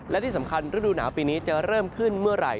และที่สำคัญฤดูหนาวปีนี้จะเริ่มขึ้นเมื่อไหร่